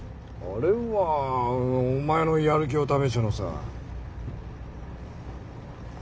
あれはお前のやる気を試したのさ。